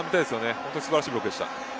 本当に素晴らしいブロックでした。